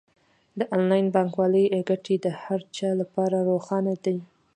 د انلاین بانکوالۍ ګټې د هر چا لپاره روښانه دي.